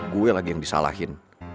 gue lagi yang disalahin